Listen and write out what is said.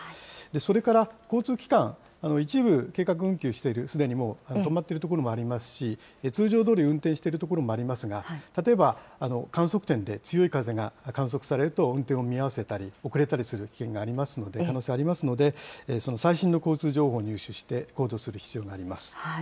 それから交通機関、一部計画運休している、すでにもう止まっている所もありますし、通常どおり運転している所もありますが、例えば観測点で強い風が観測されると、運転を見合わせたり遅れたりする危険がありますので、可能性がありますので、その最新の交通情報を入手して行動する必要があります。